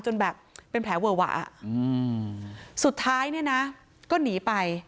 จนแบบเป็นแผลเวอร์วะสุดท้ายก็หนีไป